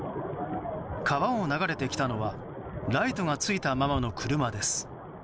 川を流れてきたのはライトがついたままの車です。